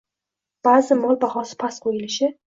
Ba'zi mol bahosi past qo'yilishi